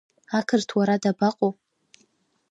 Ақырҭуа ара дабаҟоу?